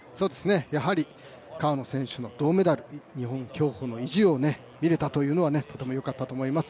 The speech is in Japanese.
やはり川野選手の銅メダル日本競歩の意地を見れたというのは、とてもよかったと思います。